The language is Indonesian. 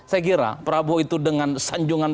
saya kira prabowo itu dengan sanjungan